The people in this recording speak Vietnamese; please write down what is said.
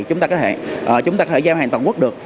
chúng ta có thể giao hàng toàn quốc được